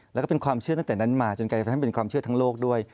แล้วก็เป็นความเชื่อตั้งแต่นั้นมาจนกระทั่งเป็นความเชื่อทั้งโลกด้วย